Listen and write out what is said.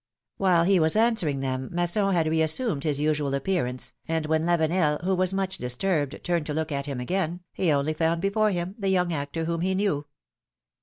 While he was answering them, Masson had reassumed his usual appearance, and when Lavenel, who w'as much disturbed, turned to look at him again, he only found before him the young actor whom he knew.